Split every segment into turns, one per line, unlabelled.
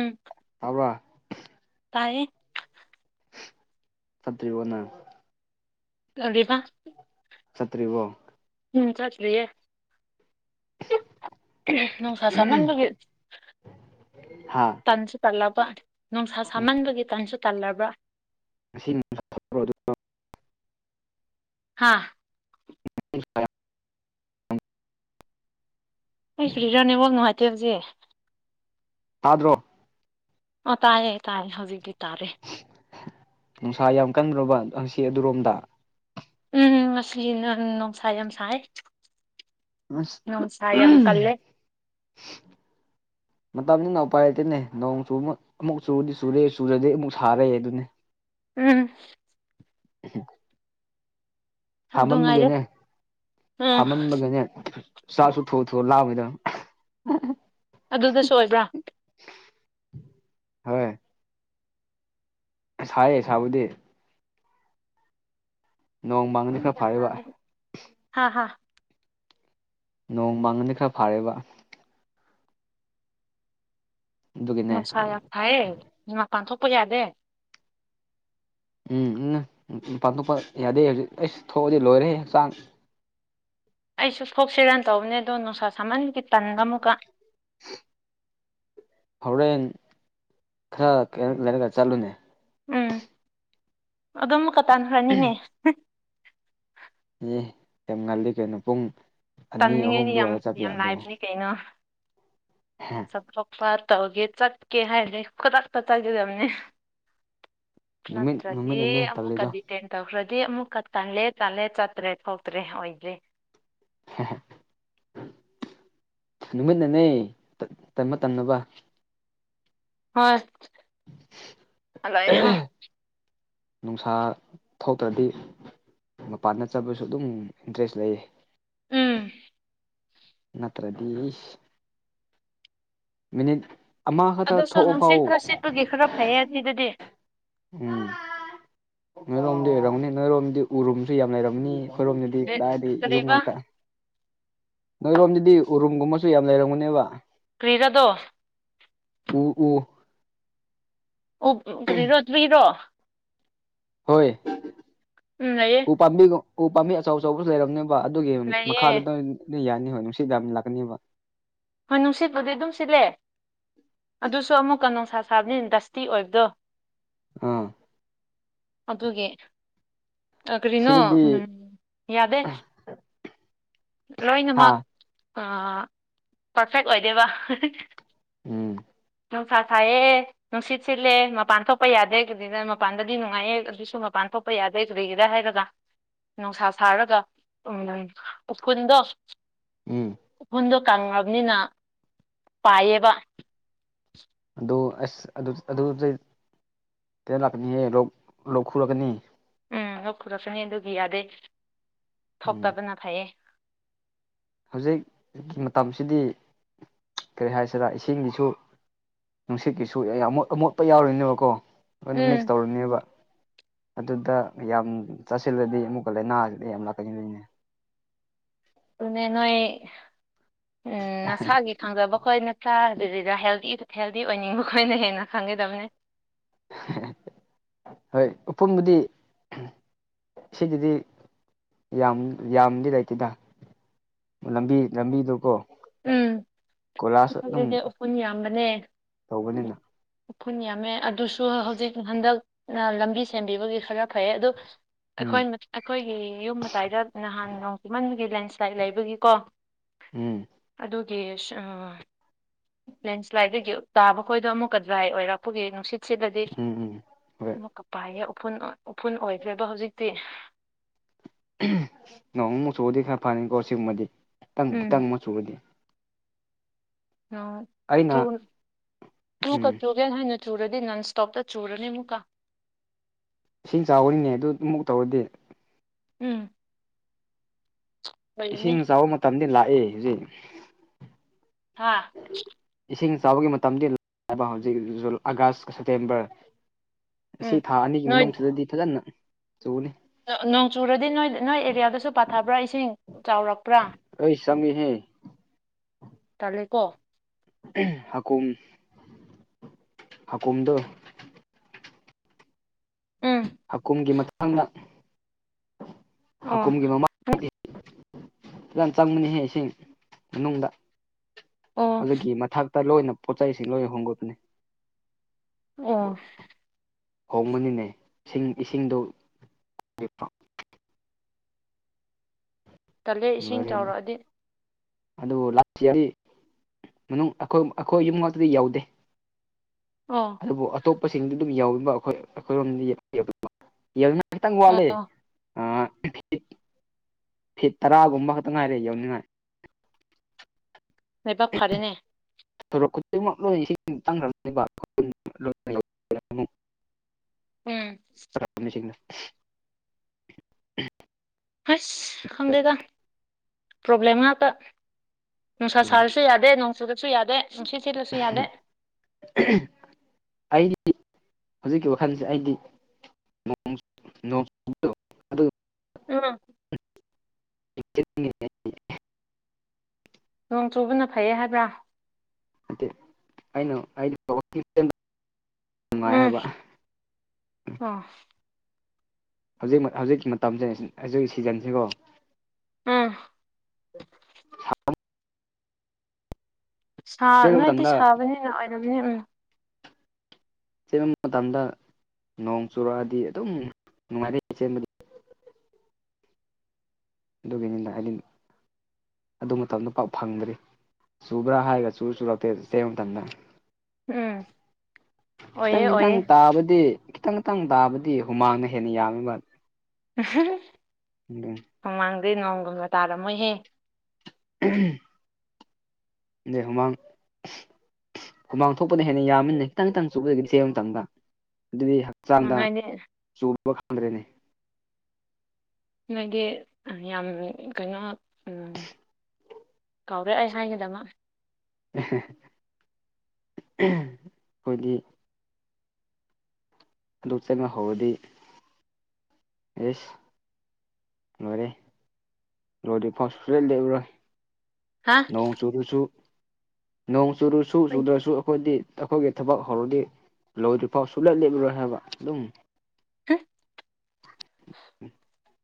ꯎꯝ
ꯇꯕ꯭ꯔꯥ
ꯇꯥꯏꯌꯦ
ꯐꯠꯇ꯭ꯔꯤꯕꯣ ꯅꯪ
ꯀꯔꯤꯕ
ꯆꯠꯇ꯭ꯔꯤꯕꯣ
ꯎꯝ ꯆꯠꯇꯔꯤꯌꯦ ꯅꯨꯡꯁꯥ ꯁꯥꯃꯥꯟꯕꯒꯤ
ꯍꯥ
ꯇꯟꯁꯨ ꯇꯜꯂꯕ ꯅꯨꯡꯁꯥ ꯁꯥꯃꯟꯕꯒꯤ ꯇꯟꯁꯨ ꯇꯜꯂꯕ꯭ꯔꯥ
ꯑꯁꯤꯅꯤ [inaudible] ꯍ ꯑꯗꯨ [inaudible]
ꯍꯥꯥ
[inaudible]
ꯑꯩ [inaudible] ꯐꯨꯔꯤꯔꯥꯅꯦꯕꯜ ꯅꯣꯡꯉꯥꯏꯇꯦ ꯑꯗꯨꯗꯤ
ꯇꯥꯗ꯭ꯔꯣ
ꯑ ꯇꯥꯏꯌꯦ ꯇꯥꯏꯌꯦ ꯍꯧꯖꯤꯛꯇꯤ ꯇꯥꯔꯦ
ꯅꯨꯡꯁꯥ ꯌꯥꯝ ꯀꯟꯕꯔꯣꯕ ꯉꯁꯤ ꯑꯗꯨꯔꯣꯝꯗ
ꯎꯝ ꯉꯁꯤ ꯅꯪ ꯅꯨꯡꯁꯥ ꯌꯥꯝ ꯁꯥꯏ
ꯑꯁ
ꯅꯨꯡꯁꯥ ꯌꯥꯝ
[inaudible]
ꯀꯜꯂꯦ
ꯃꯇꯝꯁꯤꯅ ꯎꯄꯥꯏꯔꯇꯦꯅꯦ ꯅꯣꯡ ꯆꯨ ꯑꯃꯨꯛ ꯆꯨꯔꯗꯤ ꯆꯨꯔꯦ ꯆꯨꯔꯗꯤ ꯑꯃꯨꯛ ꯁꯥꯔꯦ ꯑꯗꯨꯅꯦ
ꯎꯝ
ꯎꯝ [inaudible]
ꯑꯗꯨ ꯉꯥꯏꯔꯦ
ꯁꯥꯃꯥꯟꯕꯒꯤꯅꯦ
ꯎꯝ
ꯁꯥꯥꯃꯥꯝꯕꯒꯤꯅꯦ ꯆꯥꯛꯁꯨ ꯊꯨ ꯊꯨꯅ ꯂꯥꯝꯃꯦ
ꯑꯗꯨꯗꯁꯨ ꯑꯣꯏꯕ꯭ꯔꯥ
ꯍꯣꯏ ꯁꯥꯏꯌꯦ ꯁꯥꯕꯨꯗꯤ ꯅꯣꯡ ꯃꯥꯡꯉꯗꯤ ꯈꯔ ꯐꯔꯦꯕ
ꯍꯥꯥ ꯍꯥ
ꯅꯣꯡ ꯃꯥꯡꯉꯗꯤ ꯈꯔ ꯐꯥꯔꯦꯕ ꯑꯗꯨꯒꯤꯅꯦ
ꯅꯨꯡꯁꯥ ꯌꯥꯝ ꯐꯥꯏꯌꯦ ꯃꯤ ꯃꯄꯥꯟ ꯊꯣꯛꯄ ꯌꯥꯗꯦ
ꯎꯝ ꯎꯝ ꯄꯥꯡꯊꯣꯛꯄ ꯌꯥꯗꯦ ꯍꯧꯖꯤꯛ ꯑꯩꯁ ꯊꯣꯛꯑꯗꯤ ꯂꯣꯏꯔꯦ ꯍꯛꯆꯥꯡ
ꯑꯩꯁꯨ ꯊꯣꯛꯁꯤꯔꯥꯅ ꯇꯧꯕꯅꯦ ꯑꯗꯣ ꯅꯨꯡꯁꯥ ꯁꯥꯃꯟꯒꯤ ꯇꯟꯕ ꯑꯃꯨꯛꯀꯥ
[unintelligible] ꯍꯣꯔꯦꯟ ꯈꯔ ꯀ ꯂꯩꯔꯒ ꯆꯠꯂꯨꯅꯦ
ꯎꯝ ꯑꯗꯨ ꯑꯃꯨꯛꯀꯥ ꯇꯥꯟꯈ꯭ꯔꯅꯤꯅꯦ
ꯑꯦ ꯌꯥꯝ ꯉꯜꯂꯤ ꯀꯩꯅꯣ ꯄꯨꯡ ꯑꯅꯤ ꯑꯍꯨꯝ
ꯇꯝꯅꯤꯡꯉꯥꯏꯗꯤ ꯌꯥꯝ
ꯑꯗꯨꯋꯥꯏꯗ ꯆꯠꯄ
ꯌꯥꯝ ꯂꯥꯏꯕꯅꯦ ꯀꯩꯅꯣ
ꯍꯥ
ꯆꯠꯊꯣꯛꯄ ꯇꯧꯒꯦ ꯆꯠꯀꯦ ꯍꯥꯏꯗꯤ ꯈꯨꯗꯛꯇꯥ ꯆꯠꯒꯗꯕꯅꯦ
ꯅꯨꯃꯤꯠ
ꯅꯠꯇꯔꯥꯗꯤ
ꯅꯨꯃꯤꯠꯅꯅꯦ ꯇꯜꯂꯤꯗꯣ
ꯑꯃꯃꯨꯀꯥꯗꯤ ꯇꯦꯟ ꯇꯧꯈ꯭ꯔꯗꯤ ꯑꯃꯨꯛꯀꯥ ꯇꯜꯂꯦ ꯇꯜꯂꯦ ꯆꯠꯇ꯭ꯔꯦ ꯊꯣꯛꯇ꯭ꯔꯦ ꯑꯣꯏꯗꯦ
ꯅꯨꯃꯤꯠꯅꯅꯦ ꯇꯟꯕ ꯇꯟꯗꯕ
ꯍꯣꯏ ꯍꯜꯂꯛꯑꯦ ꯍꯥ
ꯅꯨꯡꯁꯥ ꯊꯣꯛꯇ꯭ꯔꯗꯤ ꯃꯄꯥꯟꯗ ꯆꯠꯕꯁꯨ ꯑꯗꯨꯝ ꯏꯟꯇꯔꯦꯁ ꯂꯩꯌꯦ
ꯎꯝ
ꯅꯠꯇ꯭ꯔꯗꯤ ꯃꯤꯅꯤꯠ ꯑꯃ ꯈꯛꯇ ꯊꯣꯛꯑꯐꯥꯎ
ꯑꯗꯨꯒꯤ ꯈꯔ ꯐꯩꯌꯦ ꯑꯁꯤꯗꯗꯤ
ꯎꯝ ꯅꯣꯏꯔꯣꯝꯗꯤ ꯑꯣꯏꯔꯝꯅꯤ ꯅꯣꯏꯔꯣꯝꯗꯤ ꯎꯔꯨꯝꯁꯨ ꯌꯥꯝ ꯂꯩꯔꯝꯅꯤ ꯈꯣꯏꯔꯣꯝꯗꯗꯤ ꯀꯗꯥꯏꯗꯤ ꯌꯨꯝ
ꯀꯔꯤꯕ
ꯉꯥꯛꯇ ꯅꯣꯏꯔꯣꯝꯗꯗꯤ ꯎꯔꯨꯝꯒꯨꯝꯕꯁꯨ ꯌꯥꯝ ꯂꯩꯔꯝꯒꯅꯦꯕ
ꯀ꯭ꯔꯤꯔꯥꯗꯣ
ꯎ ꯎ
ꯑꯣ ꯀꯔꯤꯔꯣ ꯇꯔꯤꯔꯣ
ꯍꯣꯏ
ꯎꯝ ꯂꯩꯌꯦ
ꯎꯄꯥꯝꯕꯤꯗꯣ ꯎ ꯄꯥꯝꯕꯤ ꯑꯆꯧ ꯑꯆꯧꯕꯁꯨ ꯂꯩꯔꯝꯅꯦꯕ ꯑꯗꯨꯒꯤ
ꯂꯩꯌꯦ
ꯃꯈꯥꯗ ꯅꯣꯏ ꯑꯗꯨ ꯌꯥꯅꯤ ꯍꯣꯏ ꯅꯨꯁꯤꯠ ꯌꯥꯝꯅ ꯂꯥꯛꯀꯅꯦꯕ
ꯍꯣꯏ ꯅꯨꯡꯁꯤꯠꯄꯨꯗꯤ ꯑꯗꯨꯝ ꯁꯤꯠꯂꯦ ꯑꯗꯨꯁꯨ ꯑꯃꯨꯛꯀꯥ ꯅꯨꯡꯁꯥ ꯁꯥꯕꯅꯤꯅ ꯗꯁꯇꯤ ꯑꯣꯏꯕꯗꯣ
ꯑꯣ
ꯑꯗꯨꯒꯤ ꯑꯥ ꯀꯔꯤꯅꯣ
ꯁꯤꯗꯗꯤ
ꯌꯥꯗꯦ
ꯍꯥ
ꯂꯣꯏꯅꯃꯛ ꯄꯔꯐꯦꯛ ꯑꯣꯏꯗꯦꯕ
ꯎꯝ
ꯅꯨꯡꯁꯥ ꯁꯥꯌꯦ ꯅꯨꯡꯁꯤꯠ ꯁꯤꯠꯂꯦ ꯃꯄꯥꯟ ꯊꯣꯛꯄ ꯌꯥꯗꯦ ꯃꯄꯥꯟꯗꯗꯤ ꯅꯨꯡꯉꯥꯏꯑꯦ ꯑꯗꯨꯁꯨ ꯃꯄꯥꯟ ꯊꯣꯛ ꯊꯣꯛꯄ ꯌꯥꯗꯦ ꯀꯔꯤꯒꯤꯔ ꯍꯥꯏꯔꯒ ꯅꯨꯡꯁꯥ ꯁꯥꯔꯒ ꯎꯝ ꯎꯐꯨꯟꯗꯣ
ꯎꯝ
ꯎꯐꯨꯟꯗꯣ ꯀꯪꯉꯕꯅꯤꯅ ꯄꯥꯏꯌꯦꯕ
ꯑꯗꯨ ꯑꯁ ꯑꯗꯨ ꯀꯩꯅꯣ ꯂꯥꯛꯀꯅꯤꯍꯦ ꯂꯣꯛ ꯈꯨꯔꯛꯀꯅꯤ
ꯎꯝ ꯂꯣꯛ ꯈꯨꯔꯛꯀꯅꯤ ꯑꯗꯨꯒꯤ ꯌꯥꯗꯦ
ꯎꯝ
ꯊꯣꯛꯇꯕꯅ ꯐꯩꯌꯦ
ꯍꯧꯖꯤꯛ ꯃꯇꯝꯁꯤꯗꯤ ꯀꯔꯤ ꯍꯥꯏꯁꯤꯔ ꯏꯁꯤꯡꯒꯤꯁꯨ ꯅꯨꯡꯁꯤꯠꯀꯤꯁꯨ ꯑꯃꯣꯠ ꯑꯃꯣꯠꯄ ꯌꯥꯎꯔꯣꯏꯅꯦꯕꯀꯣ ꯂꯣꯏꯅ
ꯎꯝ
ꯃꯤꯛꯁ ꯇꯧꯔꯅꯦꯕ ꯑꯗꯨꯗ ꯌꯥꯝ ꯆꯥꯁꯤꯜꯂꯗꯤ ꯑꯃꯨꯛꯀꯥ ꯂꯥꯏꯅꯥꯁꯤꯗ ꯌꯥꯝ ꯂꯥꯛꯀꯟꯅꯤꯡꯕꯣꯏꯅꯦ
ꯗꯨꯅꯦ ꯅꯣꯏ ꯎꯝ ꯅꯁꯥꯒꯤ ꯐꯪꯖꯕ ꯈꯣꯏ ꯅꯠꯇ꯭ꯔꯥ ꯑꯗꯨꯗ ꯍꯦꯜꯗꯤ ꯍꯦꯜꯗꯤ ꯑꯣꯏꯅꯤꯡꯕ ꯈꯣꯏꯅ ꯍꯦꯟꯅ ꯈꯪꯒꯗꯕꯅꯦ
ꯍꯣꯏ ꯎꯄꯨꯝꯕꯨꯗꯤ ꯁꯤꯗꯗꯤ ꯌꯥꯝ ꯌꯥꯝꯗꯤ ꯂꯩꯇꯦꯗꯥ ꯂꯝꯕꯤ ꯂꯝꯕꯤ ꯗꯨꯀꯣ
ꯁ꯭ꯋꯥꯏꯗꯗꯤ ꯎꯐꯨꯟ ꯌꯥꯝꯕꯅꯦ
ꯇꯧꯕꯅꯤꯅ
ꯎꯐꯨꯟ ꯌꯥꯝꯃꯦ ꯑꯗꯨꯁꯨ ꯍꯧꯖꯤꯛ ꯍꯟꯗꯛꯅ ꯂꯝꯕꯤ ꯁꯦꯝꯕꯤꯕꯒꯤ ꯈꯔ ꯐꯩꯌꯦ ꯑꯗꯨ ꯑꯩꯈꯣꯏ
ꯎꯝ
ꯑꯩꯈꯣꯏꯒꯤ ꯌꯨꯝ ꯃꯇꯥꯏꯗ ꯅꯍꯥꯟ ꯅꯣꯡ ꯆꯤꯃꯟꯕꯒꯤ ꯂꯦꯟꯁ꯭ꯂꯥꯏꯠ ꯂꯩꯕꯒꯤꯀꯣ
ꯎꯝ
ꯑꯗꯨꯒꯤ ꯑ ꯂꯦꯟꯁ꯭ꯂꯥꯏꯗꯒꯤ ꯇꯥꯕ ꯈꯣꯏꯗꯣ ꯑꯃꯨꯛꯀ ꯗꯔꯥꯏ ꯑꯣꯏꯔꯛꯄꯒꯤ ꯅꯨꯡꯁꯤꯠ ꯁꯤꯠꯂꯗꯤ
ꯎꯝ ꯎꯝ ꯍꯣꯏ
ꯑꯃꯨꯛꯀ ꯄꯥꯏꯌꯦ ꯎꯐꯨꯟ ꯎꯐꯨꯟ ꯑꯣꯏꯈ꯭ꯔꯦꯕ ꯍꯧꯖꯤꯛꯇꯤ
ꯅꯣꯡ [unintelligible] ꯈꯔ ꯐꯅꯤꯀꯣ ꯁꯤꯒꯨꯝꯕꯗꯤ ꯈꯤꯇꯪ
ꯎꯝ
ꯈꯤꯇꯪ ꯃꯆꯨꯒꯗꯤ
[unintelligible] [unintelligible]
ꯑꯩꯅ ꯎꯝ
ꯆꯨꯔꯗꯤ ꯅꯟ ꯁ꯭ꯇꯣꯞꯇ ꯆꯨꯔꯅꯤ ꯑꯃꯨꯛꯀꯥ
ꯏꯁꯤꯡ ꯆꯥꯎꯌꯤꯅꯦ ꯑꯗꯨ ꯑꯃꯨꯛ ꯇꯧꯔꯗꯤ
ꯎꯝ ꯑꯣꯏꯔꯅꯤ
ꯏꯁꯤꯡ ꯆꯥꯎꯕ ꯃꯇꯝꯗꯤ ꯂꯥꯛꯑꯦ ꯍꯧꯖꯤꯛ
ꯍꯥ
ꯏꯁꯤꯡ ꯆꯥꯎꯕꯒꯤ ꯃꯇꯝꯗꯤ ꯂ ꯑꯕ ꯍꯧꯖꯤꯛ ꯖꯨꯜ ꯑꯥꯒꯁ ꯁꯦꯞꯇꯦꯝꯕꯔ
ꯎꯝ
ꯑꯁꯤ ꯊꯥ ꯑꯅꯤꯒꯤ
ꯅꯣꯏ
ꯃꯅꯨꯡꯁꯤꯗꯗꯤ ꯐꯖꯅ ꯆꯨꯅꯤ
ꯅ ꯅꯣꯡ ꯆꯨꯔꯗꯤ ꯅꯣꯏ ꯅꯣꯏ ꯑꯦꯔꯤꯌꯥꯗꯁꯨ ꯄꯥꯊꯕ꯭ꯔꯥ ꯏꯁꯤꯡ ꯆꯥꯎꯔꯛꯄ꯭ꯔꯥ
ꯑꯩ ꯆꯪꯉꯦꯍꯦ
ꯇꯜꯂꯦꯀꯣ
ꯍꯥꯀꯨꯝ ꯍꯥꯀꯨꯝꯗꯣ
ꯎꯝ
ꯍꯥꯀꯨꯝꯒꯤ ꯃꯇꯥꯡꯅ
ꯑꯣ
ꯍꯥꯀꯨꯝꯒꯤ ꯃꯃꯥꯡ ꯗꯤ ꯅꯪ ꯆꯪꯕꯅꯤꯍꯦ ꯏꯁꯤꯡ ꯃꯅꯨꯡꯗ
ꯑꯣ
ꯑꯗꯨꯒꯤ ꯃꯊꯛꯇ ꯂꯣꯏꯅ ꯄꯣꯠꯆꯩ ꯁꯤ ꯂꯣꯏ ꯍꯣꯡꯒꯠꯄꯅꯤ
ꯑꯣ
ꯍꯣꯡꯕꯅꯤꯅꯦ ꯏꯁꯤꯡ ꯏꯁꯤꯡꯗꯣ
ꯇꯜꯂꯦ ꯏꯁꯤꯡ ꯆꯥꯎꯔꯛꯑꯗꯤ
ꯑꯗꯨ [unintelligible] ꯃꯅꯨꯡ ꯑꯩꯈꯣꯏ ꯑꯩꯈꯣꯏ ꯌꯨꯝ ꯉꯥꯛꯇꯗꯤ ꯌꯧꯗꯦ
ꯑꯣ
ꯑꯗꯨꯕꯨ ꯑꯇꯣꯞꯄꯁꯤꯡꯗꯤ ꯑꯗꯨꯝ ꯌꯧꯏꯃ ꯑꯈꯣꯏ ꯑꯩꯈꯣꯏꯔꯣꯝꯅꯤ [unintelligible] ꯈꯤꯇꯪ ꯋꯥꯠꯂꯦ
ꯑꯣ
ꯑ ꯐꯤꯠ ꯇꯔꯥꯒꯨꯝꯕ ꯈꯛꯇ ꯉꯥꯏꯔꯦ ꯌꯧꯅꯤꯡꯉꯥꯏ
ꯂꯥꯏꯕꯛ ꯐꯔꯦꯅꯦ
ꯊꯣꯔꯛ ꯈꯨꯗꯤꯡꯃꯛ ꯂꯣꯏ ꯏꯁꯤꯡ ꯆꯪꯈ꯭ꯔꯕꯅꯦꯕ [unintelligible] ꯑꯃꯨꯛ
ꯎꯝ
[unintelligible]
ꯍꯁ ꯈꯪꯗꯦꯗ ꯄ꯭ꯔꯣꯕ꯭ꯂꯦꯝ ꯉꯥꯛꯇ ꯅꯨꯡꯁꯥ ꯁꯥꯔꯁꯨ ꯌꯥꯗꯦ ꯅꯣꯡ ꯆꯨꯔꯁꯨ ꯌꯥꯗꯦ ꯅꯨꯡꯁꯤꯠ ꯁꯤꯠꯂꯁꯨ ꯌꯥꯗꯦ
ꯑꯩꯗꯤ ꯍꯧꯖꯤꯛꯀꯤ ꯋꯥꯈꯟꯁꯦ ꯑꯩꯗꯤ ꯅꯣꯡ ꯅꯣꯡ ꯑꯗꯨ
ꯑ
ꯅꯠꯇꯦ
ꯅꯣꯡ ꯆꯨꯕꯅ ꯐꯩꯌꯦ ꯍꯥꯏꯕ꯭ꯔꯥ
ꯅꯠꯇꯦ ꯑꯩꯅ ꯍꯥꯏꯗꯤ ꯋꯥꯀꯤꯡ ꯆꯦꯟꯕ ꯅꯨꯡꯉꯥꯏ
ꯎꯝ
ꯍꯥꯏꯕ
[unintelligible]
ꯍꯧꯖꯤꯛ ꯍꯧꯖꯤꯛꯀꯤ ꯃꯇꯝꯁꯦ ꯍꯧꯖꯤꯛ ꯁꯤꯖꯟꯁꯤꯀꯣ
ꯎꯝ
[unintelligible]
ꯁꯥ
ꯆꯦꯟꯕ
ꯅꯣꯏꯗꯤ
ꯃꯇꯝꯗ
ꯁꯥꯕꯅꯤꯅ ꯑꯣꯏꯔꯝꯅꯤ ꯎꯝ
ꯆꯦꯟꯕ ꯃꯇꯝꯗ ꯅꯣꯡ ꯆꯨꯔꯛꯑꯗꯤ ꯑꯗꯨꯝ ꯅꯨꯡꯉꯥꯏꯔꯤ ꯆꯦꯟꯕ ꯑꯗꯨꯒꯤꯅꯤꯗ ꯑꯥꯏꯂꯤꯟ ꯑꯗꯨ ꯃꯇꯝꯗ ꯄꯥ ꯐꯪꯗ꯭ꯔꯤ ꯆꯨꯕ꯭ꯔꯥ ꯍꯥꯏꯔꯒ ꯆꯨꯔ ꯆꯨꯔꯛꯇꯦ ꯖꯦꯝ ꯇꯝꯅ
ꯎꯝ
ꯈꯤꯇꯪ
ꯑꯣꯏꯌꯦ
ꯒꯤꯗꯪ
ꯑꯣꯏꯌꯦ
ꯇꯥꯕꯗꯤ ꯈꯤꯇꯪ ꯏꯇꯪ ꯇꯥꯕꯗꯤ ꯍꯨꯃꯥꯡꯅ ꯍꯦꯟꯅ ꯌꯥꯝꯃꯤ ꯃꯠ
ꯑꯝꯍꯍꯝ
ꯎꯡꯗꯣꯡ
ꯈꯣꯡꯃꯥꯡꯗꯩ ꯅꯣꯡꯒꯨꯝꯅ ꯇꯥꯔꯃꯣꯏꯍꯦ
ꯑꯍꯝ ꯅꯦ ꯍꯨꯃꯥꯡ ꯍꯨꯃꯥꯡ ꯊꯣꯛꯄꯅ ꯍꯦꯟꯅ ꯌꯥꯝꯃꯤꯟꯅꯦ ꯇꯪ ꯇꯪ ꯆꯨꯕꯗꯒꯤ ꯆꯦ ꯃꯇꯝꯗ ꯑꯗꯨꯗꯤ ꯍꯛ ꯆꯥꯟꯅ
ꯅꯣꯏꯗꯤ
ꯆꯨꯕ ꯈꯪꯗ꯭ꯔꯦꯅꯦ
ꯅꯪꯗꯤ ꯌꯥꯝ ꯀꯩꯅꯣ ꯎꯝ ꯀꯧꯔꯦ ꯑꯩ ꯍꯥꯏꯒꯤꯗꯃꯛ
ꯑꯩꯈꯣꯏꯗꯤ ꯑꯗꯨ ꯆꯪꯅ ꯍꯧꯔꯗꯤ ꯌꯦꯁ ꯂꯣꯏꯔꯦ ꯂꯣꯏꯗꯔ꯭ꯤꯐꯧ ꯁꯨꯛꯂꯦꯡ ꯂꯦꯡꯉꯥꯔꯣꯏ
ꯍꯥ
ꯅꯣꯡ ꯆꯨꯨꯔꯁꯨ ꯅꯣꯡ ꯆꯨꯔꯁꯨ ꯆꯨꯗ꯭ꯔꯁꯨ ꯑꯩꯈꯣꯏꯗꯤ ꯊꯕꯛꯇꯤ ꯊꯕꯛ ꯍꯧꯔꯗꯤ ꯂꯣꯏꯗ꯭ꯔꯤꯐꯥꯎ ꯁꯨꯡꯂꯦꯞ ꯂꯦꯞꯂꯔꯣꯏ ꯍꯥꯏꯕ ꯑꯗꯨꯝ
[unintelligible]
[unintelligible]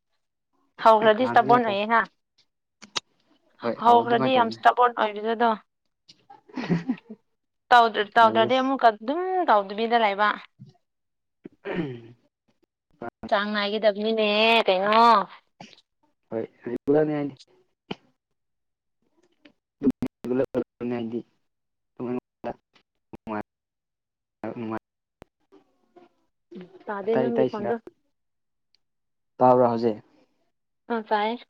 ꯍꯧꯈꯔ꯭ꯗꯤ
ꯅꯍꯥꯟꯁꯨ ꯑꯗꯨꯃꯥꯏꯅ
ꯁꯇꯥꯞꯕꯣꯔꯟ
ꯇꯧ
ꯑꯣꯏꯌꯦ ꯅꯪ
ꯍꯣꯏ ꯍꯧꯔꯣ ꯑꯗꯨꯃꯥꯏꯅ
ꯍꯧꯈ꯭ꯔꯗꯤ ꯌꯥꯝ
ꯇꯧꯕꯅꯦ
ꯁꯇꯞꯕꯣꯔꯟ ꯑꯣꯏꯕꯗꯣꯗꯣ ꯇꯧꯗꯔ ꯇꯧꯗ꯭ꯔꯗꯤ ꯑꯃꯨꯛꯀ ꯑꯗꯨꯝ ꯇꯧꯗꯕꯤꯗ ꯂꯩꯕ
ꯎꯝ
ꯆꯥꯡ ꯅꯥꯏꯒꯥꯗꯕꯅꯤꯅꯦ ꯍꯦ ꯀꯩꯅꯣ
ꯍꯣꯏ [unintelligible] [unintelligible] ꯅꯨꯡꯉꯥꯏ ꯅꯨꯡꯉꯥꯏ
ꯎ ꯇꯗꯦ ꯅꯪꯒꯤ ꯐꯣꯟ ꯗꯣ
ꯇꯥꯕ꯭ꯔꯥ ꯍꯧꯖꯤꯛ
ꯑꯥ ꯇꯥꯏꯌꯦ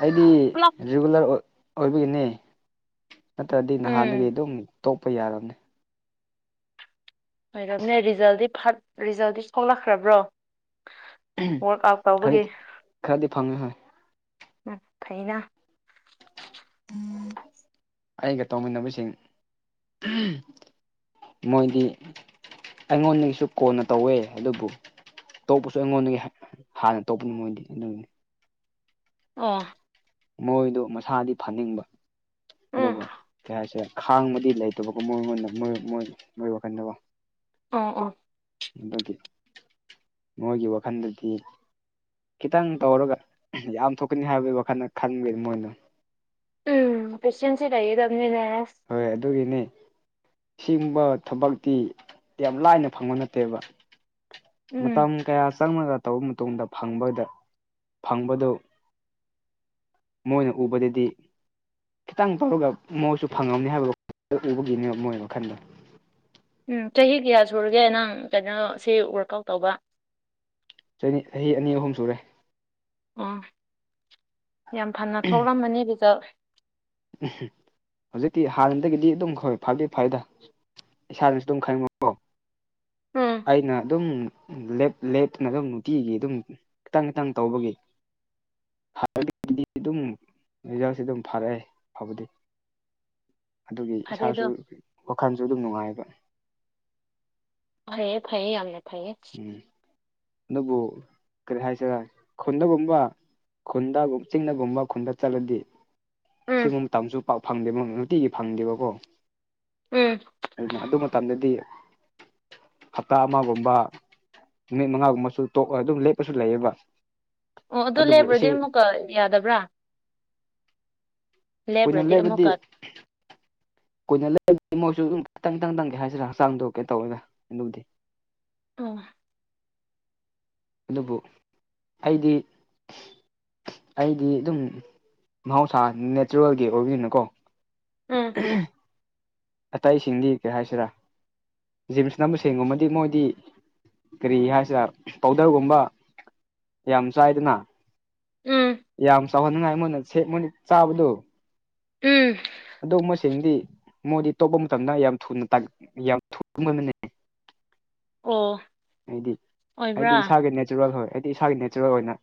ꯑꯩꯗꯤ
ꯄꯨꯂꯞ
ꯔꯤꯒꯨꯂꯔ ꯑꯣꯏ ꯑꯣꯏꯕꯒꯤꯅꯦ ꯅꯠꯇ꯭ꯔꯗꯤ
ꯎꯝ
ꯅꯍꯥꯟꯗꯒꯤ ꯑꯗꯨꯝ ꯇꯣꯛꯄ ꯌꯥꯔꯕꯅꯦ
ꯑꯣꯏꯔꯝꯅꯦ ꯔꯤꯖꯜꯗꯤ ꯐꯠ ꯔꯤꯖꯜꯗꯤ ꯊꯣꯛꯂꯛꯈ꯭ꯔꯕ꯭ꯔꯣ ꯋꯥꯔꯛ ꯑꯥꯎꯠ ꯇꯧꯕꯒꯤ
ꯈꯔꯗꯤ ꯈꯔꯗꯤ ꯐꯪꯉꯦ ꯉꯣ
ꯎꯝ ꯐꯩꯅ
ꯑꯩꯒ ꯇꯧꯃꯤꯟꯅꯕꯁꯤꯡ ꯃꯣꯏꯗꯤ ꯑꯩꯉꯣꯟꯗꯒꯤꯁꯨ ꯀꯣꯟꯅ ꯇꯧꯋꯦ ꯑꯗꯨꯕꯨ ꯇꯣꯛꯄꯁꯨ ꯑꯩꯉꯣꯟꯗꯒꯤ ꯍꯥꯟꯅ ꯇꯣꯛꯄꯅꯤ ꯃꯣꯏꯗꯤ ꯑꯗꯨꯒꯤ
ꯑꯣ
ꯃꯣꯏꯗꯣ ꯃꯁꯥꯗꯤ ꯐꯅꯤꯡꯕ
ꯎꯝ
ꯑꯗꯨꯕꯨ ꯀꯩ ꯍꯥꯏꯁꯦ ꯈꯥꯡꯕꯗꯤ ꯂꯩꯇꯕꯀꯣ ꯃꯣꯏꯉꯣꯟꯗ ꯃꯣꯏ ꯃꯣꯏ ꯃꯣꯏ ꯃꯣꯏ ꯋꯥꯈꯟꯗꯀꯣ
ꯑꯣ ꯑꯣ
ꯑꯗꯨꯒꯤ ꯃꯣꯏꯒꯤ ꯋꯥꯈꯜꯗꯗꯤ ꯈꯤꯇꯪ ꯇꯧꯔꯒ ꯌꯥꯝ ꯊꯣꯛꯀꯅꯤ ꯍꯥꯏꯕꯒꯤ ꯋꯥꯈꯜꯗ ꯈꯟꯕꯒꯤ ꯃꯣꯏꯅ
ꯎꯝ ꯄꯦꯁꯤꯌꯦꯟꯁ ꯇꯤ ꯂꯩꯒꯗꯕꯅꯤꯗ
ꯍꯣꯏ ꯑꯗꯨꯒꯤꯅꯦ ꯁꯤꯒꯨꯝꯕ ꯊꯕꯛꯇꯤ ꯌꯥꯝ ꯂꯥꯏꯅ ꯐꯪꯕ ꯅꯠꯇꯦꯕ
ꯎꯝ
ꯃꯇꯝ ꯀꯌꯥ ꯆꯪꯂꯒ ꯇꯧꯕ ꯃꯇꯨꯡꯗ ꯐꯪꯕꯗ ꯐꯪꯕꯗꯨ ꯃꯣꯏꯅ ꯎꯕꯗꯗꯤ ꯈꯤꯇꯪ ꯇꯧꯔꯒ ꯃꯣꯏꯁꯨ ꯐꯪꯉꯝꯅꯤ ꯍꯥꯏꯕꯩ ꯎꯕꯒꯤꯅꯦ ꯃꯣꯏ ꯋꯥꯈꯟꯗ
ꯎꯝ ꯆꯍꯤ ꯀꯌꯥ ꯁꯨꯔꯒꯦ ꯅꯪ ꯀꯩꯅꯣ ꯁꯤ ꯋꯥꯛꯑꯥꯎꯠ ꯇꯧꯕ
ꯆꯍꯤ ꯑꯍꯤ ꯑꯅꯤ ꯑꯍꯨꯝ ꯁꯨꯔꯦ
ꯑꯣ ꯌꯥꯝ ꯐꯅ ꯊꯣꯛꯂꯝꯃꯅꯤ ꯔꯤꯖꯜ
ꯎꯝ ꯍꯧꯖꯤꯛꯇꯤ ꯍꯥꯟꯅꯗꯒꯤꯗꯤ ꯑꯗꯨꯝ ꯍꯣꯏ ꯐꯗꯤ ꯐꯩꯌꯦꯗ ꯏꯁꯥꯁꯨ ꯑꯗꯨꯝ ꯈꯔꯥ
ꯎꯝ
ꯑꯩꯅ ꯑꯗꯨꯝ ꯂꯦꯞ ꯂꯦꯞꯇꯅ ꯑꯗꯨꯝ ꯅꯨꯡꯇꯤꯒꯤ ꯑꯗꯨꯝ ꯈꯤꯇꯪ ꯈꯤꯇꯪ ꯇꯧꯕꯒꯤ ꯍꯟꯅꯗꯒꯤꯗꯤ ꯑꯗꯨꯝ ꯔꯤꯖꯜꯁꯦ ꯑꯗꯨꯝ ꯐꯔꯦ ꯐꯕꯗꯤ ꯑꯗꯨꯒꯤ
ꯐꯔꯦ ꯑꯗꯣ
ꯏꯁꯥꯁꯨ ꯋꯥꯈꯜꯁꯨ ꯑꯗꯨꯝ ꯅꯨꯡꯉꯥꯏꯕ
ꯐꯩꯌꯦ ꯐꯩꯌꯦ ꯌꯥꯝꯅ ꯐꯩꯌꯦ
ꯎꯝ ꯑꯗꯨꯕꯨ ꯀꯔꯤ ꯍꯥꯏꯁꯤꯔ ꯈꯨꯟꯗꯒꯨꯝꯕ ꯈꯨꯟꯗꯒꯨꯝ ꯆꯤꯡꯗꯒꯨꯝꯕ ꯈꯨꯟꯗ ꯆꯠꯂꯗꯤ
ꯎꯝ
ꯁꯤꯒꯨꯝꯕ ꯃꯇꯝꯁꯨ ꯄꯥꯛ ꯐꯪꯗꯦꯕ ꯅꯨꯡꯇꯤꯒꯤ ꯐꯪꯗꯦꯕꯀꯣ
ꯎꯝ
ꯑꯗꯨꯅ ꯑꯗꯨꯃꯠ ꯇꯝꯗꯗꯤ ꯍꯞꯇꯥ ꯑꯃꯒꯨꯝꯕ ꯅꯨꯃꯤꯠ ꯃꯉꯥꯒꯨꯝꯕꯁꯨ ꯇꯣꯛꯑ ꯑꯗꯨꯝ ꯂꯦꯞꯄꯁꯨ ꯂꯩꯌꯦꯕ
ꯑꯣ ꯑꯗꯨ
ꯑꯗꯨꯕꯨ
ꯂꯩꯄꯨꯔꯗꯤ
ꯑꯁꯤ
ꯑꯃꯨꯛꯀ ꯌꯥꯗꯕ꯭ꯔꯥ
ꯀꯨꯏꯅ
ꯂꯦꯞꯄ꯭ꯔꯗꯤ
ꯂꯦꯞꯄꯗꯤ
ꯑꯃꯨꯛꯀ
ꯀꯨꯏꯅ ꯂꯩꯔꯗꯤ ꯃꯣꯏꯁꯨ ꯑꯗꯨꯝ ꯈꯤꯇꯪꯪ ꯇꯪ ꯇꯪ ꯀꯩ ꯍꯥꯏꯁꯤꯔꯥ ꯍꯛꯆꯥꯡꯗꯣ ꯀ꯭ꯌꯤꯝ ꯇꯧꯔꯣꯏꯗ ꯑꯗꯨꯕꯨꯗꯤ
[unintelligible]
ꯑꯗꯨꯕꯨ ꯑꯩꯗꯤ ꯑꯩꯗꯤ ꯑꯗꯨꯝ ꯃꯍꯧꯁꯥ ꯅꯦꯆꯔꯦꯜꯒꯤ ꯑꯣꯏꯕꯤꯅꯤꯅꯀꯣ
ꯎꯝ
ꯑꯇꯩꯁꯤꯡꯗꯤ ꯀꯩ ꯍꯥꯏꯁꯤꯔꯥ ꯖꯤꯝꯁ ꯅꯝꯕꯁꯤꯡ ꯒꯨꯝꯕꯗꯤ ꯃꯣꯏꯗꯤ ꯀꯔꯤ ꯍꯥꯏꯁꯤꯔ ꯄꯥꯎꯗꯔꯒꯨꯝꯕ ꯌꯥꯝ ꯆꯥꯏꯗꯅ
ꯎꯝ
ꯌꯥꯝ ꯆꯥꯎꯍꯟꯅꯤꯡꯉꯥꯏ ꯃꯣꯏꯅ ꯁꯦ ꯃꯣꯏꯅ ꯆꯥꯕꯗꯨ
ꯎꯝ
ꯑꯗꯨꯒꯨꯝꯕꯁꯤꯡꯗꯤ ꯃꯣꯏꯗꯤ ꯇꯣꯞꯄ ꯃꯇꯝꯗ ꯌꯥꯝ ꯊꯨꯅ ꯇꯥꯒꯟ ꯌꯥꯝ ꯊꯨꯃꯟꯕꯅꯦ
ꯑꯣ
ꯍꯥꯏꯗꯤ ꯍꯥꯏꯗꯤ
ꯑꯣꯏꯕ꯭ꯔꯥ
ꯏꯁꯥꯒꯤ ꯅꯦꯆꯔꯦꯜ ꯍꯣꯏ ꯑꯩꯗꯤ ꯏꯁꯥꯒꯤ ꯅꯦꯠ ꯆꯔꯦꯜ ꯑꯣꯏꯅ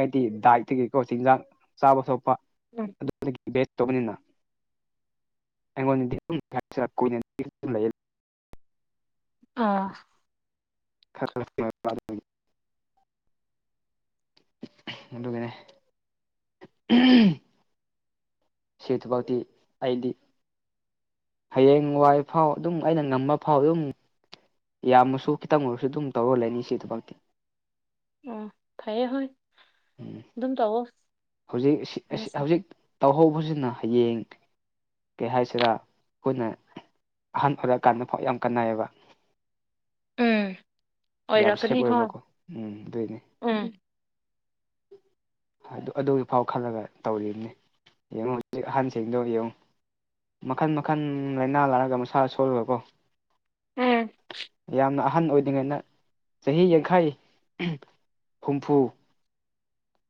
ꯍꯥꯏꯗꯤ ꯗꯥꯏꯠꯇꯤꯡꯀꯣ ꯆꯤꯟꯖꯥꯡ ꯆꯥꯕ ꯊꯣꯄ
ꯎꯝ
ꯑꯗꯨꯗꯒꯤ ꯕꯦꯠ ꯇꯧꯕꯅꯤꯅ [unintelligible]
ꯑꯣ
[unintelligible] [unintelligible] ꯑꯗꯨꯒꯤꯅꯦ ꯁꯤ ꯊꯕꯛꯇꯤ ꯑꯩꯗꯤ ꯍꯌꯦꯡꯋꯥꯏ ꯐꯥꯎ ꯑꯗꯨꯝ ꯑꯩꯅ ꯉꯝꯕ ꯐꯥꯎ ꯑꯗꯨꯝ ꯌꯥꯝꯃꯁꯨ ꯈꯤꯇꯪ ꯑꯣꯏꯔꯁꯨ ꯑꯗꯨꯝ ꯇꯧꯔ ꯂꯩꯅꯤ ꯁꯤ ꯊꯕꯛꯇꯤ
ꯑꯣ ꯐꯩꯌꯦ ꯍꯣꯏ
ꯎꯝ
ꯑꯗꯨꯝ ꯇꯧꯑꯣ
ꯍꯧꯖꯤꯛ ꯁꯤ ꯑꯁꯤ ꯍꯧꯖꯤꯛ ꯇꯧꯍꯧꯕꯁꯤꯅ ꯍꯌꯦꯡ ꯀꯩ ꯍꯥꯏꯁꯤꯔꯥ ꯑꯩꯈꯣꯏꯅ ꯑꯍꯟ ꯑꯣꯏꯔꯛꯑꯀꯥꯟꯗ ꯈ꯭ꯋꯥꯏ ꯌꯥꯝ ꯀꯟꯅꯩꯌꯦꯕ
ꯎꯝ
ꯌꯥꯝ ꯁꯦꯞ
ꯑꯣꯏꯔꯛꯀꯅꯤ ꯍꯣꯏ
ꯑꯣꯏꯕꯀꯣ ꯎꯝ ꯑꯗꯨꯏꯅꯦ
ꯎꯝ
ꯑꯗꯨꯒꯤꯐꯥꯎ ꯈꯜꯂꯒ ꯇꯧꯔꯤꯕꯅꯤ ꯌꯦꯡꯉꯨ ꯍꯧꯖꯤꯛ ꯑꯍꯟꯁꯤꯡꯗꯣ ꯌꯦꯡꯉꯨ ꯃꯈꯟ ꯃꯈꯟ ꯂꯥꯏꯅꯥ ꯂꯥꯛꯑꯒ ꯃꯁꯥ ꯁꯣꯜꯂꯒꯀꯣ
ꯎꯝ
ꯌꯥꯝꯅ ꯑꯍꯟ ꯑꯣꯏꯗ꯭ꯔꯤꯉꯩꯩꯅ ꯆꯍꯤ ꯌꯥꯡꯈꯩ ꯍꯨꯝꯐꯨ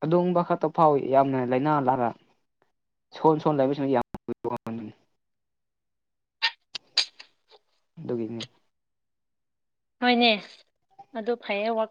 ꯑꯗꯨꯒꯨꯝꯕ ꯈꯠꯇ ꯐꯥꯎ ꯌꯥꯝꯅ ꯂꯥꯏꯅꯥ ꯂꯥꯏꯔ [unintelligible] ꯑꯗꯨꯒꯤꯅꯤ
ꯍꯣꯏꯅꯦ ꯑꯗꯨ ꯐꯩꯌꯦ ꯋ꯭ꯔꯥꯛ